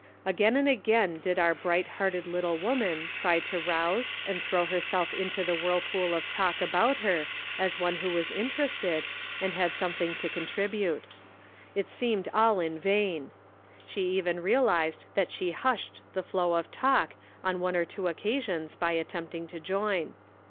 Again and again did our bright hearted little woman try to rouse and throw hei'self into the whirlpool of talk about her as one who was interested, Measuring Brains and Hearts. 119 and had something to contribute. It seemed all in vain ; she even realized that she hushed the flow of talk on one or two occasions by attempting to join.